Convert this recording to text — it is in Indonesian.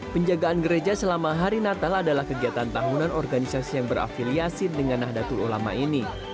penjagaan gereja selama hari natal adalah kegiatan tahunan organisasi yang berafiliasi dengan nahdlatul ulama ini